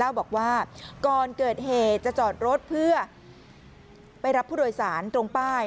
บอกว่าก่อนเกิดเหตุจะจอดรถเพื่อไปรับผู้โดยสารตรงป้าย